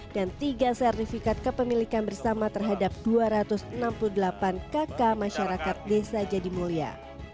dan tiga sertifikat kepemilikan bersama terhadap dua ratus enam puluh delapan kakak masyarakat desa jadi mulia